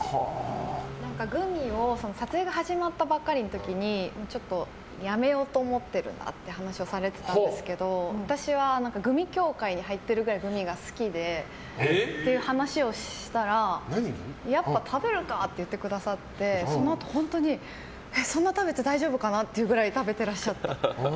グミを撮影が始まったばっかりの時にちょっとやめようと思ってるんだっていう話をされてたんですけど私は、グミ協会に入ってるぐらいグミが好きでっていう話をしたらやっぱり食べるかって言ってくださってそのあと、本当にそんな食べて大丈夫かなってぐらい食べてらっしゃって。